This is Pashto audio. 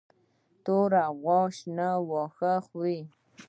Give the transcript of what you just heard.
توره غوا شنه واښه خوري.